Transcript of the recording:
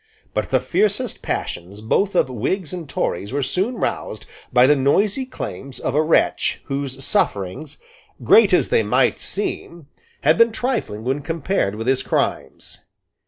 But the fiercest passions both of Whigs and Tories were soon roused by the noisy claims of a wretch whose sufferings, great as they might seem, had been trifling when compared with his crimes.